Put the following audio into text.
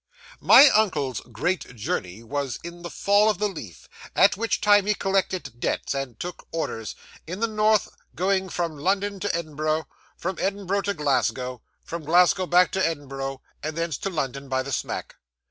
'My uncle's great journey was in the fall of the leaf, at which time he collected debts, and took orders, in the north; going from London to Edinburgh, from Edinburgh to Glasgow, from Glasgow back to Edinburgh, and thence to London by the smack.